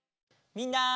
みんな！